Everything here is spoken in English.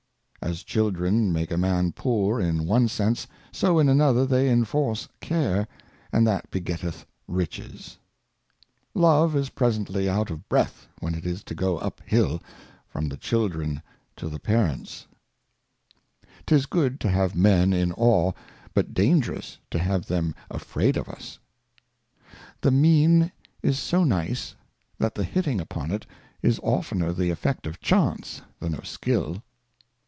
As Children make a Man poor in one Sense, so in another they inforce Care, and that begetteth Riches. Love is presently out of Breath when it is to go up Hill, from the Children to the Parents. 'TIS and Reflections. 251 'TIS good to have Men in Awe, but dangerous to have them Fear. afraid of us. The Mean is so nice, that the hitting upon it is oftner the Effect of Chance than of Skill.